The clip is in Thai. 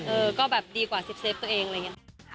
เออก็แบบดีกว่าเซฟตัวเองอะไรอย่างนี้